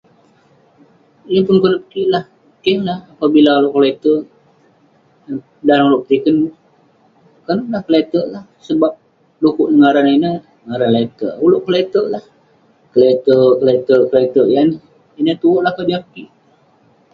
Yah tong konep kik lah, keh lah apabila uleuk kle'terk, dan uleuk petiken..konak ineh lah...kle'terk lah sebab de'kuk neh ngaran neh ineh ngaran le'terk....ulouk kle'terk lah...kle'terk kle'terk kle'terk..yan neh..ineh tuwerk lah kojam kik.